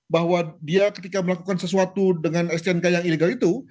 bahwa dia ketika melakukan sesuatu dengan stnk yang ilegal itu